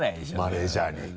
マネジャーに。